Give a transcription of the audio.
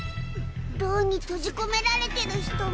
牢に閉じ込められてる人も。